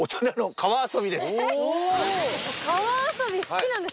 川遊び好きなんですか？